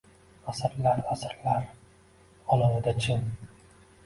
Asrlar, asrlar olovida chin